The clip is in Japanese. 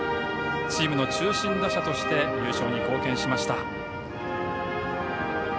チームの中心打者として優勝に貢献しました。